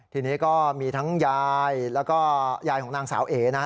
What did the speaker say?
ทีนี้ก็มีทั้งยายแล้วก็ยายของนางสาวเอ๋นะฮะ